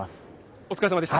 お疲れさまでした。